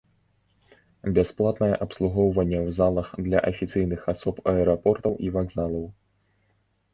Бясплатнае абслугоўванне ў залах для афіцыйных асоб аэрапортаў і вакзалаў.